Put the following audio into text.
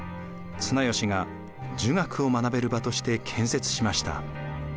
綱吉が儒学を学べる場として建設しました。